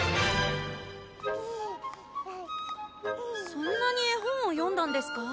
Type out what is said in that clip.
そんなに絵本を読んだんですか？